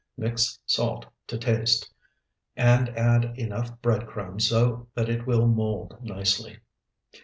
Mix salt to taste, and add enough bread crumbs so that it will mold nicely.